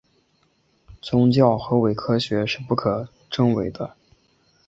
宗教和伪科学是不可证伪的。